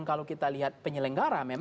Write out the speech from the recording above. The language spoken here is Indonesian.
kalau kita lihat penyelenggara